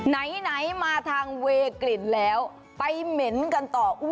ไหนมาทางเวกลิ่นแล้วไปเหม็นกันต่อ